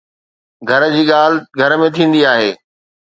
گهر جي ڳالهه گهر ۾ ٿيندي آهي.